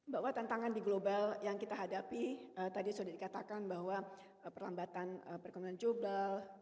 bahwa tantangan di global yang kita hadapi tadi sudah dikatakan bahwa perlambatan perkembangan global